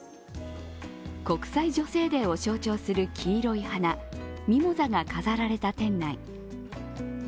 国際女性デーを象徴する黄色い花ミモザが飾られた店内。